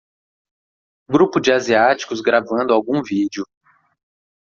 Grupo de asiáticos gravando algum vídeo.